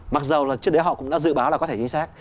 mặc dù là trước đấy họ cũng đã dự báo là có thể chính xác